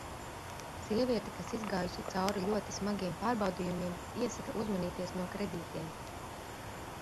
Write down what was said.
Sieviete, kas izgājusi cauri ļoti smagiem pārbaudījumiem, iesaka uzmanīties no kredītiem.